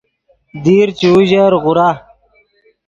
دیر چے اوژر غورا